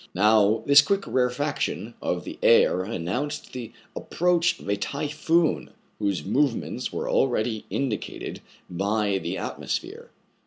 Now, this quick rarefaction of the air announced the approach of a typhoon, ^ whose movements were already indicated by the atmo sphere.